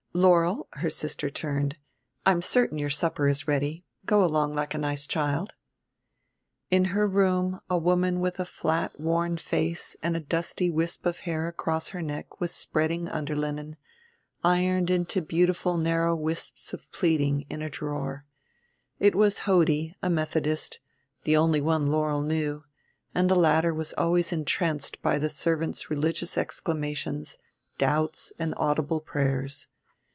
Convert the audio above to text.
"Laurel," her sister turned, "I'm certain your supper is ready. Go along like a nice child." In her room a woman with a flat worn face and a dusty wisp of hair across her neck was spreading underlinen, ironed into beautiful narrow wisps of pleating, in a drawer. It was Hodie, a Methodist, the only one Laurel knew, and the latter was always entranced by the servant's religious exclamations, doubts and audible prayers.